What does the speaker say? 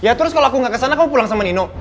ya terus kalau aku nggak kesana kamu pulang sama nino